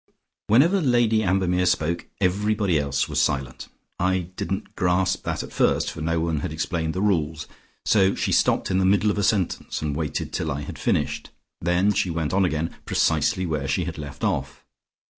"Whenever Lady Ambermere spoke, everybody else was silent. I didn't grasp that at first, for no one had explained the rules. So she stopped in the middle of a sentence and waited till I had finished. Then she went on again, precisely where she had left off.